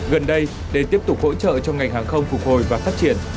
gần đây để tiếp tục hỗ trợ cho ngành hàng không phục hồi và phát triển